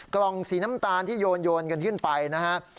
กล่องสีน้ำตาลที่โยนกันขึ้นไปนะฮะ